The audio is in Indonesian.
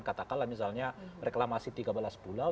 katakanlah misalnya reklamasi tiga belas pulau